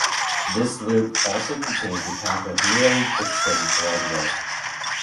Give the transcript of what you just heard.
This loop also contains a pack of the nearly extinct red wolf.